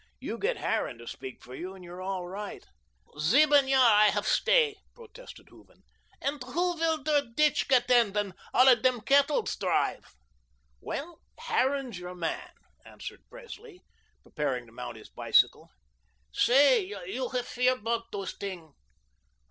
"You get Harran to speak for you, and you're all right." "Sieben yahr I hef stay," protested Hooven, "and who will der ditch ge tend, und alle dem cettles drive?" "Well, Harran's your man," answered Presley, preparing to mount his bicycle. "Say, you hef hear about dose ting?"